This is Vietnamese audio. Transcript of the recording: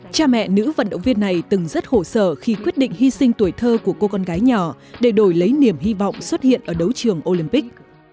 cha mẹ nữ vận động viên này từng rất khổ sở khi quyết định hy sinh tuổi thơ của cô con gái nhỏ để đổi lấy niềm hy vọng xuất hiện ở đấu trường olympic